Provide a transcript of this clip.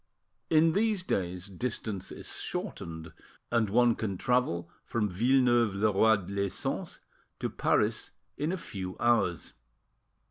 In these days, distance is shortened, and one can travel from Villeneuve le Roi les Sens to Paris in a few hours.